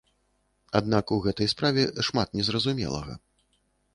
Аднак у гэтай справе шмат незразумелага.